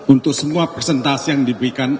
untuk semua presentasi yang diberikan